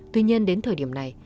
tuy nhiên đến thời điểm này